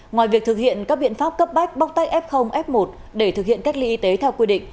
ngoài việc thực hiện các biện pháp cấp bách bóc tách f f một để thực hiện cách ly y tế theo quy định